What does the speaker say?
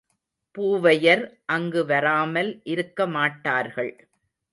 பூவையர் அங்கு வராமல் இருக்கமாட்டார்கள்.